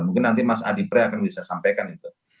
mungkin nanti mas adi pre akan bisa sampaikan itu